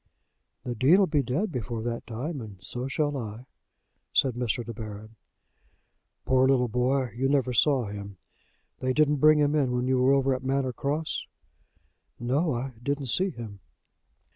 "The Dean'll be dead before that time; and so shall I," said Mr. De Baron. "Poor little boy! You never saw him. They didn't bring him in when you were over at Manor Cross?" "No; I didn't see him."